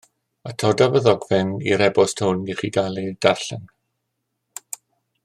Atodaf y ddogfen i'r e-bost hwn i chi gael ei darllen